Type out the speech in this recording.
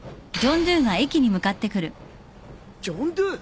ジョンドゥー！